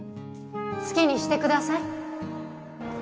好きにしてください